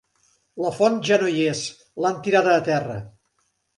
La font ja no hi és: l'han tirada a terra.